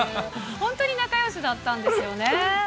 本当に仲よしだったんですよね。